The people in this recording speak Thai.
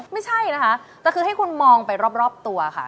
ไม่ใช่นะคะแต่คือให้คุณมองไปรอบตัวค่ะ